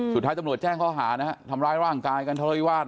สุดท้ายตำรวจแจ้งข้อหาทำร้ายร่างกายกันเท่าไหร่วาด